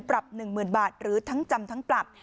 ปรับหนึ่งหมื่นบาทหรือทั้งจำทั้งปรับ